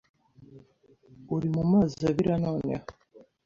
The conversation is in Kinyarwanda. uri mu mazi abira noneho